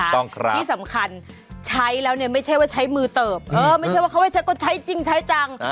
ถูกต้องครับที่สำคัญใช้แล้วเนี่ยไม่ใช่ว่าใช้มือเติบเออไม่ใช่ว่าเขาไม่ใช้ก็ใช้จริงใช้จัง